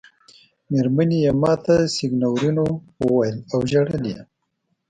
مېرمنې یې ما ته سېګنورینو وویل او ژړل یې.